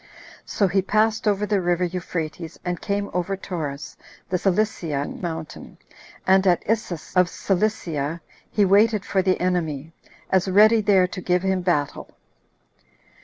So he passed over the river Euphrates, and came over Taurus, the Cilician mountain, and at Issus of Cilicia he waited for the enemy, as ready there to give him battle.